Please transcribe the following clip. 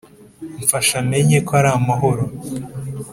mfashe menye ko ari amahoro